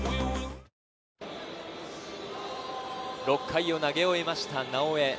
６回を投げ終えました直江。